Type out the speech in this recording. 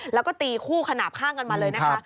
แล้วก็ตีคู่ขนาดข้างกันมาเลยนะคะ